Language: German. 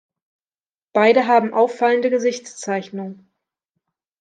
Beide haben auffallende Gesichtszeichnung.